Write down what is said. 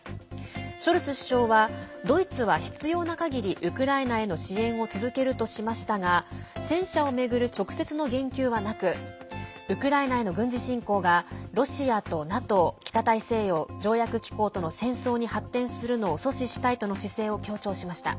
ショルツ首相はドイツは必要なかぎりウクライナへの支援を続けるとしましたが戦車を巡る直接の言及はなくウクライナへの軍事侵攻がロシアとＮＡＴＯ＝北大西洋条約機構との戦争に発展するのを阻止したいとの姿勢を強調しました。